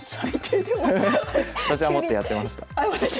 私はもっとやってました。